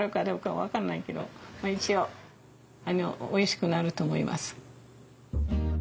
まあ一応おいしくなると思います。